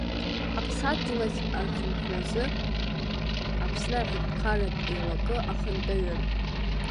Аԥсадгьыл ахь архынҳәразы Аԥсны Аҳәынҭқарратә Еилакы ахантәаҩы…